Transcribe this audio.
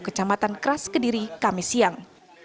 kecamatan keras kediri kamis siang